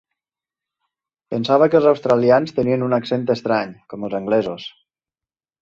Pensava que els australians tenien un accent estrany, com els anglesos.